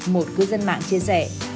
một cư dân mạng chia sẻ